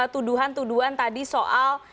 tuduhan tuduhan tadi soal